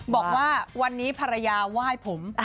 บอกว่าวันนี้ภรรยาไหว้ผม